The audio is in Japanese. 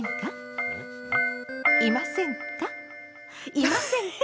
いませんか？